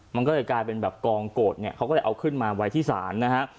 มันก็เลยกลายเป็นแบบกองโกรธเนี่ยเขาก็เลยเอาขึ้นมาไว้ที่ศาลนะฮะ